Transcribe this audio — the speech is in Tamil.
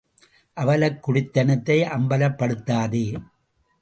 அவலக் குடித்தனத்தை அம்பலப்படுத்தாதே.